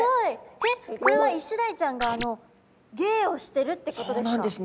えっこれはイシダイちゃんが芸をしてるってことですか？